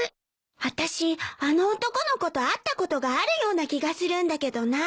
あたしあの男の子と会ったことがあるような気がするんだけどなあ。